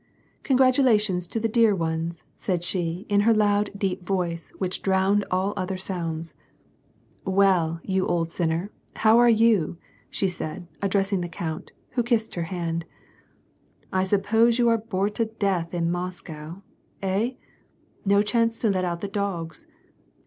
"Congratulations to the dear ones," said she, in her loud deep voice, which drowned all other sounds. " Well, you old sinner, how are you?" she said, addressing the count, who kissed her hand. " I suppose you are bored to death in Mos cow ? Iley ? No chance to let out the dogs.